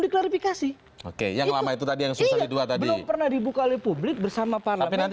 diklarifikasi oke yang lama itu tadi yang susah itu tadi pernah dibuka oleh publik bersama para